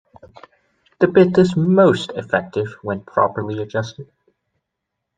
The bit is most effective when properly adjusted.